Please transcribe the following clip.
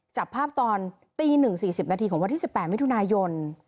จับภาพตอนตี๑๔๐นาทีของวันที่๑๘มิถุนายน